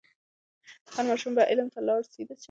هر ماشوم به علم ته لاړ سي.